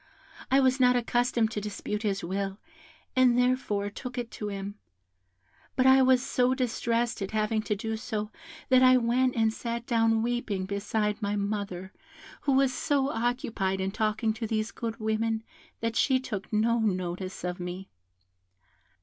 I was not accustomed to dispute his will, and therefore took it to him; but I was so distressed at having to do so that I went and sat down weeping beside my mother, who was so occupied in talking to these good women that she took no notice of me.